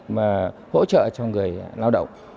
và hỗ trợ cho người lao động